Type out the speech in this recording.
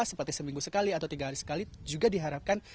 seperti seminggu sekali atau tiga hari sekali juga diharapkan